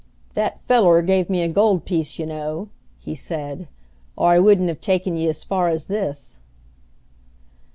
"That feller gave me a gold piece, ye know," he said, "or I wouldn't have taken ye as far as this."